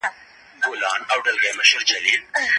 خاوند له ميرمني څخه ميراث وړلای سي.